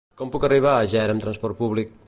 Com puc arribar a Ger amb trasport públic?